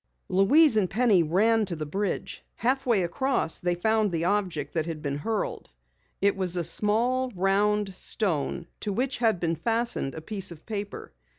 Louise and Penny ran to the bridge. Half way across they found the object that had been hurled. It was a small, round stone to which had been fastened a piece of paper.